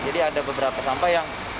jadi ada beberapa sampah yang